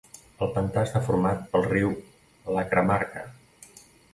El pantà està format pel riu Lacramarca.